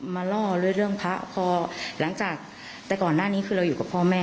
ล่อด้วยเรื่องพระพอหลังจากแต่ก่อนหน้านี้คือเราอยู่กับพ่อแม่